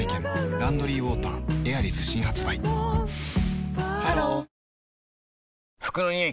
「ランドリーウォーターエアリス」新発売ハロー服のニオイ